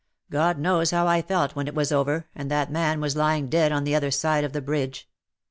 God knows how I felt when it was over, and that man was lying dead on the other side of the bridge.